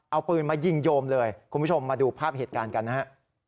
เอาปืนมายิงโยมเลยคุณผู้ชมมาดูภาพเหตุการณ์กันนะฮะ